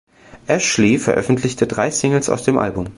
Ashlee veröffentlichte drei Singles aus dem Album.